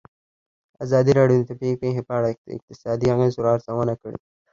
ازادي راډیو د طبیعي پېښې په اړه د اقتصادي اغېزو ارزونه کړې.